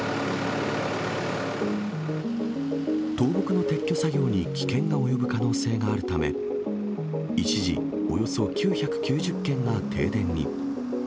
倒木の撤去作業に危険が及ぶ可能性があるため、一時、およそ９９０軒が停電に。